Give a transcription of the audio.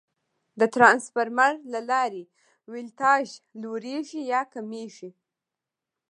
د ترانسفارمر له لارې ولټاژ لوړېږي یا کمېږي.